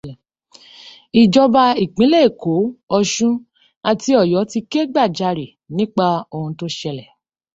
Ìjọba ìpínlẹ̀ Èkó, Ọ̀ṣun, àti Ọ̀yọ́ ti ké gbàjarè nípa oun tó ṣẹlẹ̀.